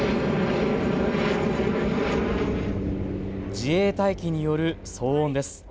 自衛隊機による騒音です。